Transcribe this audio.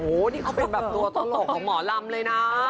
โอ้โหนี่เขาเป็นแบบตัวตลกของหมอลำเลยนะ